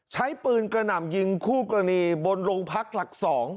ใช้ปืนกระหน่ำยิงคู่กรณีบนโรงพักหลัก๒